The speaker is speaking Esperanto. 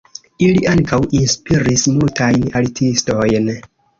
Ili ankaŭ inspiris multajn artistojn.